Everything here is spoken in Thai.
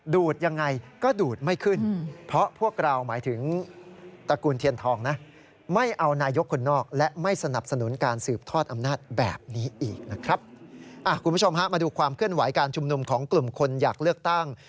คุณผู้ชมฮะมาดูความเคลื่อนไหวการชุมนุมของกลุ่มคนอยากเลือกตั้ง